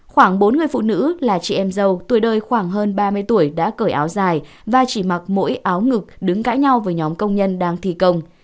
khoảng bốn người phụ nữ là chị em dâu tuổi đời khoảng hơn ba mươi tuổi đã cởi áo dài và chỉ mặc mỗi áo ngực đứng cãi nhau với nhóm công nhân đang thi công